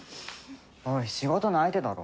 おい仕事の相手だろ？